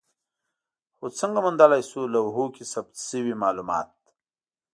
خو څنګه موندلای شو لوحو کې ثبت شوي مالومات؟